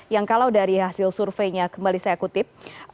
yang kalau dari hasil surveinya kembali saya kutip